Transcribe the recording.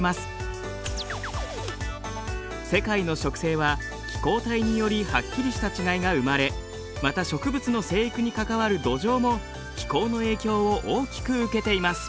世界の植生は気候帯によりはっきりした違いが生まれまた植物の生育に関わる土壌も気候の影響を大きく受けています。